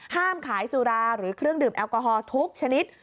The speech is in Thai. ห้ามขายสุราหรือเครื่องดื่มแอลกอฮอล์ทุกชนิด